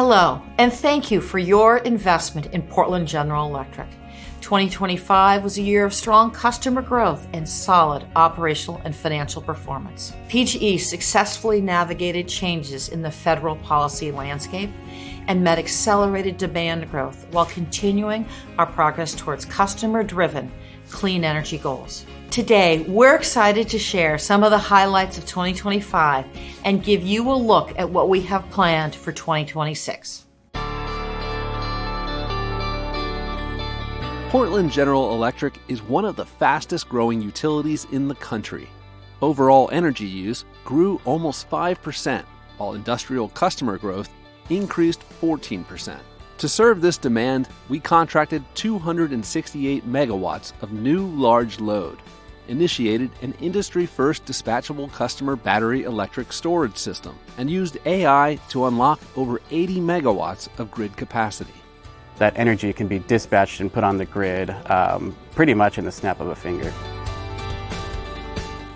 Hello, and thank you for your investment in Portland General Electric. 2025 was a year of strong customer growth and solid operational and financial performance. PGE successfully navigated changes in the federal policy landscape and met accelerated demand growth while continuing our progress towards customer-driven clean energy goals. Today, we're excited to share some of the highlights of 2025 and give you a look at what we have planned for 2026. Portland General Electric is one of the fastest-growing utilities in the country. Overall energy use grew almost 5%, while industrial customer growth increased 14%. To serve this demand, we contracted 268 MW of new large load, initiated an industry-first dispatchable customer battery electric storage system, and used AI to unlock over 80 MW of grid capacity. That energy can be dispatched and put on the grid pretty much in the snap of a finger.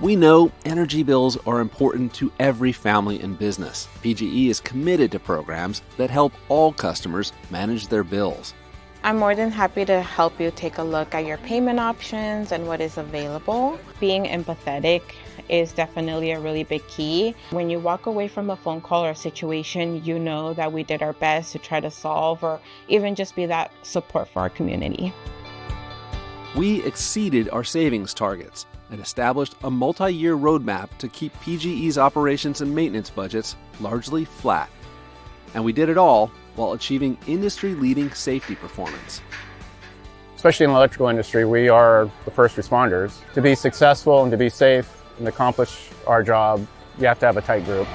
We know energy bills are important to every family and business. PGE is committed to programs that help all customers manage their bills. I'm more than happy to help you take a look at your payment options and what is available. Being empathetic is definitely a really big key. When you walk away from a phone call or a situation, you know that we did our best to try to solve or even just be that support for our community. We exceeded our savings targets and established a multi-year roadmap to keep PGE's operations and maintenance budgets largely flat. We did it all while achieving industry-leading safety performance. Especially in the electrical industry, we are the first responders. To be successful and to be safe and accomplish our job, you have to have a tight group.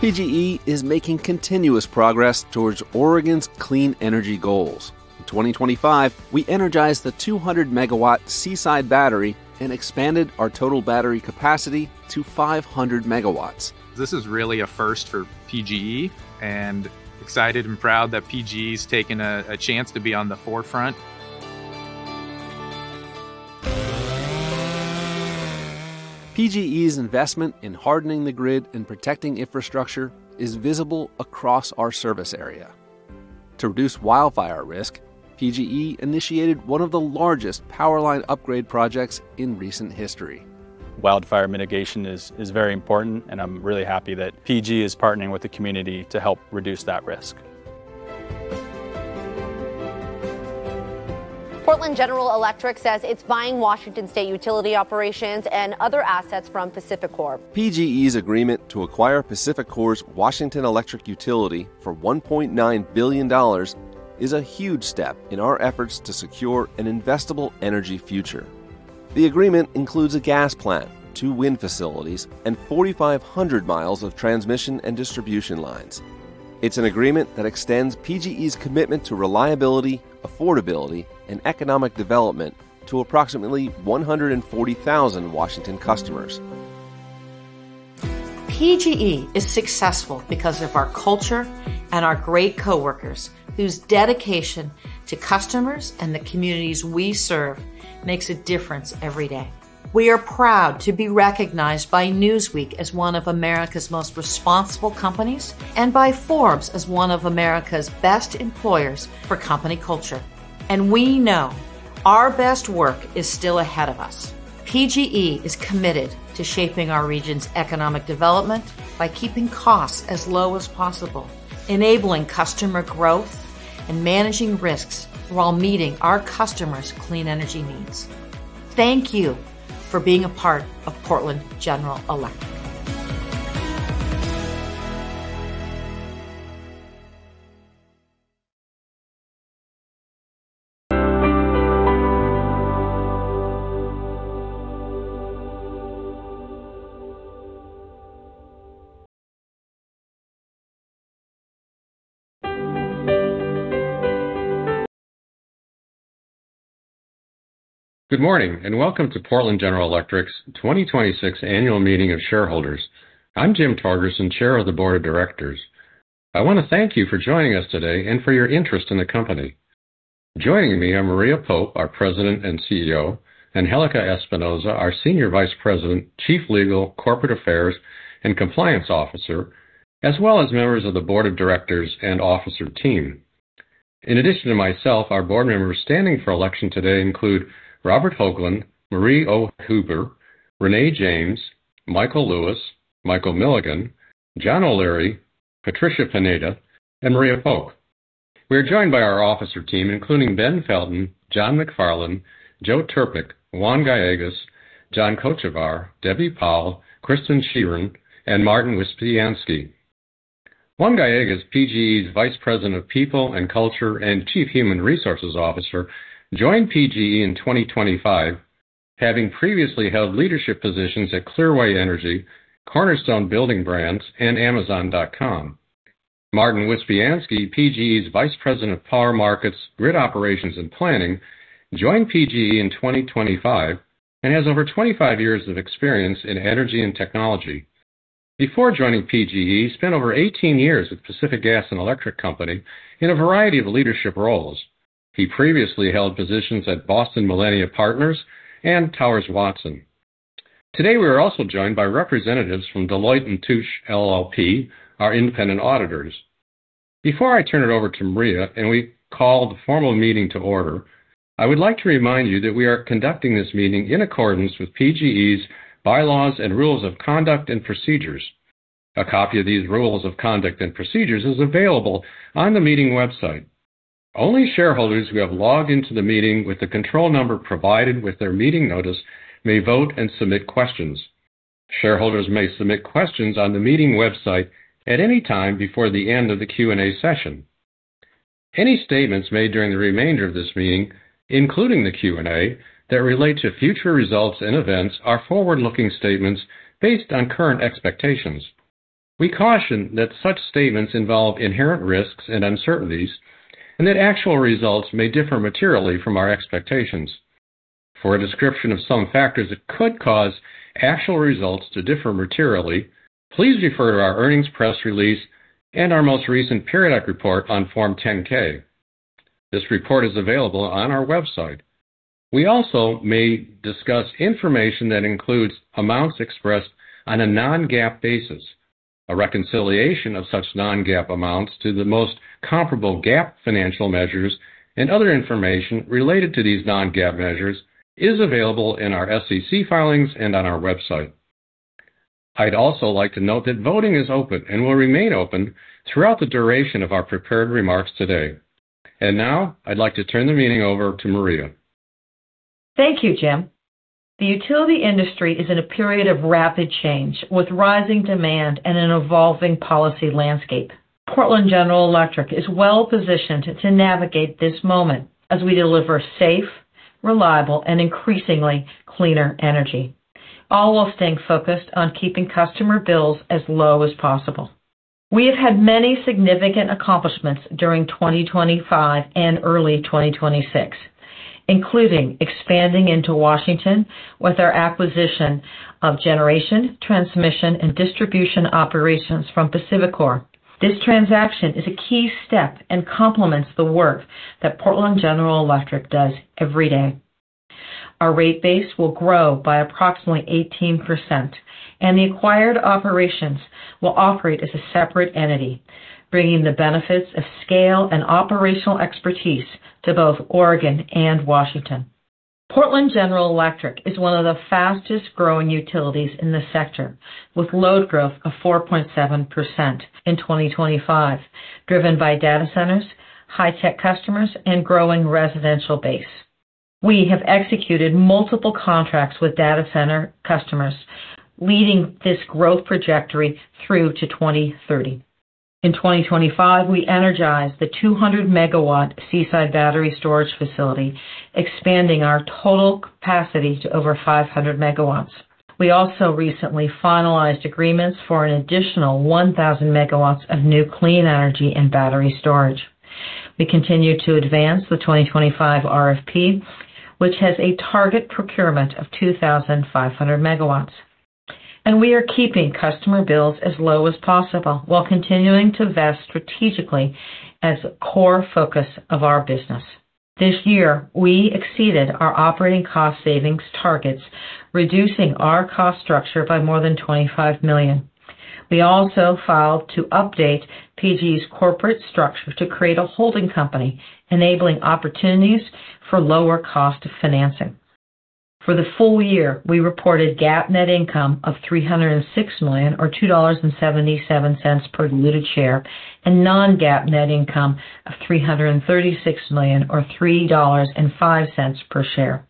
PGE is making continuous progress towards Oregon's clean energy goals. In 2025, we energized the 200-MW Seaside Battery and expanded our total battery capacity to 500 MW. This is really a first for PGE, and I'm excited and proud that PGE is taking a chance to be on the forefront. PGE's investment in hardening the grid and protecting infrastructure is visible across our service area. To reduce wildfire risk, PGE initiated one of the largest power line upgrade projects in recent history. Wildfire mitigation is very important, and I'm really happy that PGE is partnering with the community to help reduce that risk. Portland General Electric says it's buying Washington state utility operations and other assets from PacifiCorp. PGE's agreement to acquire PacifiCorp's Washington electric utility for $1.9 billion is a huge step in our efforts to secure an investable energy future. The agreement includes a gas plant, two wind facilities, and 4,500 miles of transmission and distribution lines. It's an agreement that extends PGE's commitment to reliability, affordability, and economic development to approximately 140,000 Washington customers. PGE is successful because of our culture and our great coworkers, whose dedication to customers and the communities we serve makes a difference every day. We are proud to be recognized by Newsweek as one of America's most responsible companies and by Forbes as one of America's best employers for company culture. Good morning, and welcome to Portland General Electric's 2026 Annual Meeting of Shareholders. I'm Jim Torgerson, Chair of the Board of Directors. I want to thank you for joining us today and for your interest in the company. Juan Gallegos, PGE's Vice President of People and Culture and Chief Human Resources Officer, joined PGE in 2025, having previously held leadership positions at Clearway Energy, Cornerstone Building Brands, and Amazon.com. A copy of these rules of conduct and procedures is available on the meeting website. Only shareholders who have logged into the meeting with the control number provided with their meeting notice may vote and submit questions. Shareholders may submit questions on the meeting website at any time before the end of the Q&A session. We also may discuss information that includes amounts expressed on a non-GAAP basis. A reconciliation of such non-GAAP amounts to the most comparable GAAP financial measures and other information related to these non-GAAP measures is available in our SEC filings and on our website. Thank you, Jim. The utility industry is in a period of rapid change, with rising demand and an evolving policy landscape. Portland General Electric is well-positioned to navigate this moment as we deliver safe, reliable, and increasingly cleaner energy, all while staying focused on keeping customer bills as low as possible. Portland General Electric is one of the fastest-growing utilities in the sector, with load growth of 4.7% in 2025, driven by data centers, high-tech customers, and growing residential base. We have executed multiple contracts with data center customers, leading this growth trajectory through to 2030. We also filed to update PGE's corporate structure to create a holding company, enabling opportunities for lower cost of financing. For the full year, we reported GAAP net income of $306 million, or $2.77 per diluted share, and non-GAAP net income of $336 million, or $3.05 per share.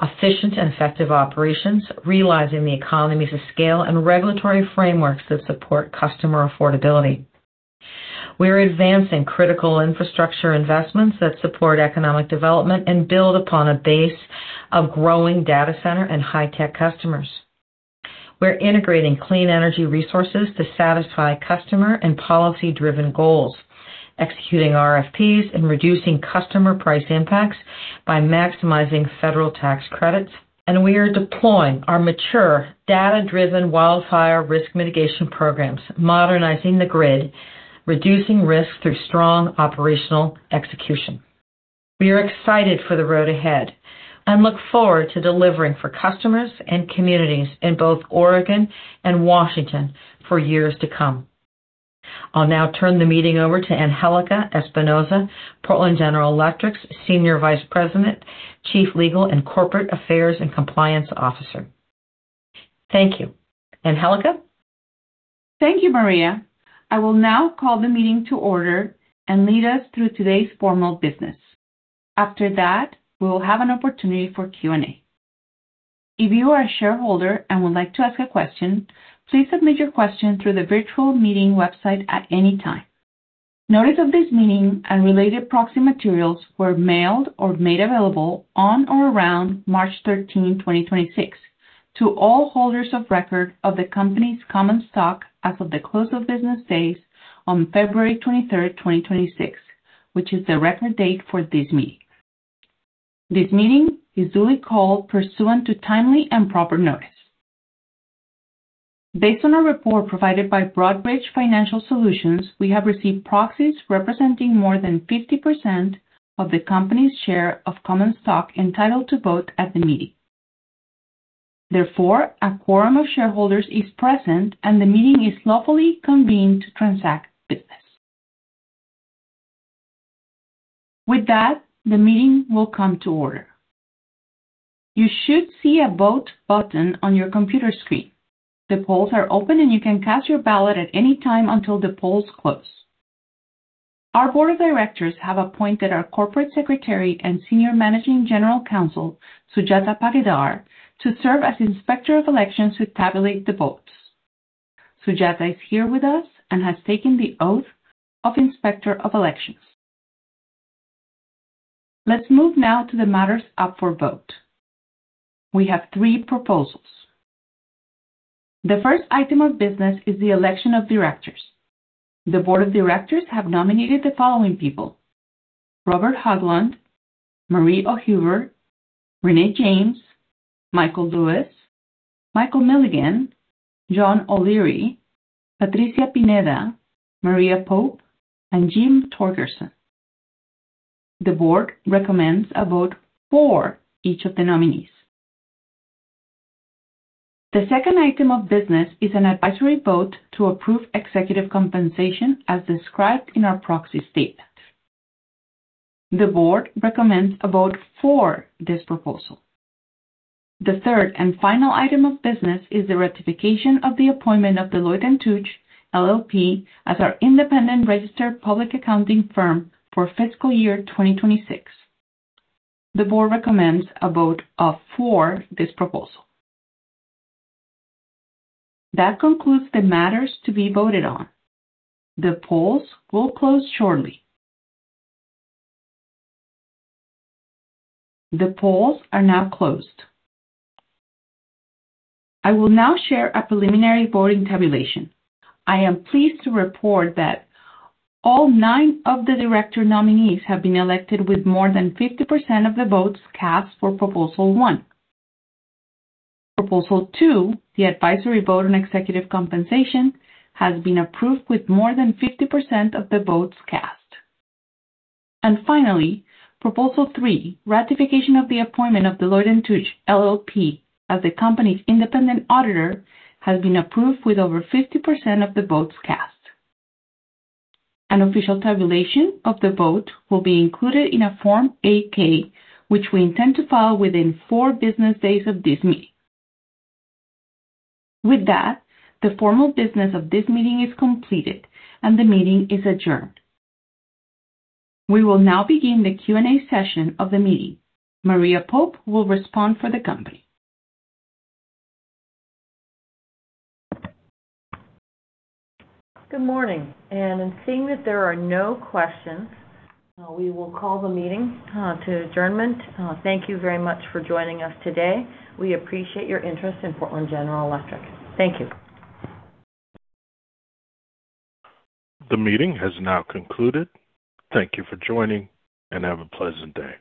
We're advancing critical infrastructure investments that support economic development and build upon a base of growing data center and high-tech customers. We're integrating clean energy resources to satisfy customer and policy-driven goals, executing RFPs and reducing customer price impacts by maximizing federal tax credits. Thank you. Angelica? Thank you, Maria. I will now call the meeting to order and lead us through today's formal business. After that, we will have an opportunity for Q&A. If you are a shareholder and would like to ask a question, please submit your question through the virtual meeting website at any time. Therefore, a quorum of shareholders is present, and the meeting is lawfully convened to transact business. With that, the meeting will come to order. You should see a vote button on your computer screen. The polls are open, and you can cast your ballot at any time until the polls close. The board recommends a vote for each of the nominees. The second item of business is an advisory vote to approve executive compensation as described in our proxy statement. The board recommends a vote for this proposal. Finally, proposal three, ratification of the appointment of Deloitte & Touche LLP as the company's independent auditor, has been approved with over 50% of the votes cast. An official tabulation of the vote will be included in a Form 8-K, which we intend to file within four business days of this meeting. Good morning. I'm seeing that there are no questions. We will call the meeting to adjournment. Thank you very much for joining us today. We appreciate your interest in Portland General Electric. Thank you. The meeting has now concluded. Thank you for joining, and have a pleasant day.